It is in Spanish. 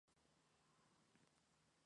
Asimismo habla español de forma fluida.